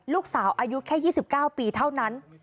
ลูกสาวอายุแค่๒๙ปีเท่านั้น